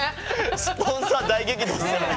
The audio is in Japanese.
スポンサー大激怒ですよね。